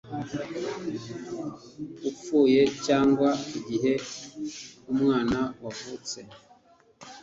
upfuye cyangwa igihe umwana wavutse